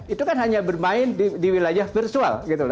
itu kan hanya bermain di wilayah virtual